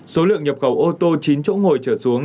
số lượng nhập khẩu ô tô chín chỗ ngồi trở xuống